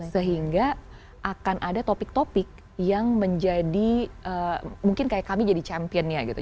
sehingga akan ada topik topik yang menjadi mungkin kayak kami jadi championnya gitu